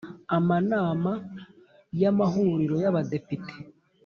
amanama y Amahuriro y Abadepite